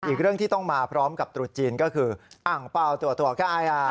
อีกเรื่องที่ต้องมาพร้อมกับตรุษจีนก็คืออ่างเปล่าตัวก็อาย